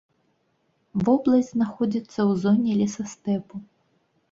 Вобласць знаходзіцца ў зоне лесастэпу.